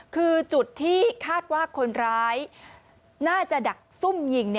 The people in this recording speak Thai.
คือจุดที่คาดว่าคนร้ายน่าจะดักซุ่มยิง